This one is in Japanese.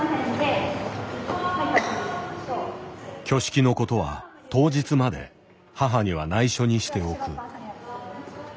挙式のことは当日まで母には内緒にしておく。